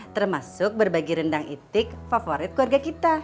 termasuk berbagi rendang itik favorit keluarga kita